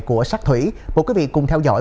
của sắc thủy mời quý vị cùng theo dõi